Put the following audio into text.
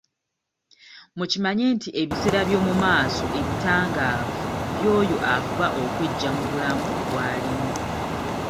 Mukimanye nti ebiseera by'omumaaso ebitangaavu by'oyo afuba okweggya mu bulamu bw'alimu.